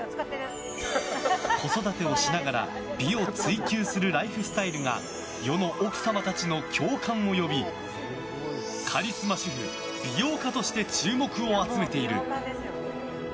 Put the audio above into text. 子育てをしながら美を追求するライフスタイルが世の奥様たちの共感を呼びカリスマ主婦、美容家として注目を集めている。